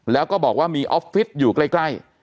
แล้วก็บอกว่ามีออฟฟิศอยู่ใกล้